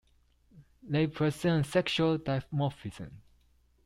They present sexual dimorphism.